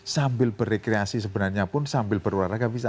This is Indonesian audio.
sambil berrekreasi sebenarnya pun sambil berolahraga bisa